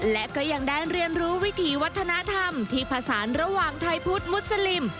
และก็ยังได้เรียนรู้วิถีวัฒนธรรมที่ผสานระหว่างไทยพุทธมุสลิม